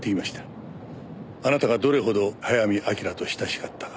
あなたがどれ程早見明と親しかったか。